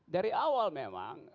dari awal memang